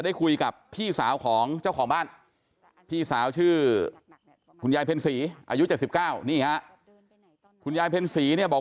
แข็งแข็งแข็งแข็งแข็งแข็งแข็งแข็งแข็งแข็งแข็ง